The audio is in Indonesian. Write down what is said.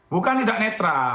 bukan tidak benar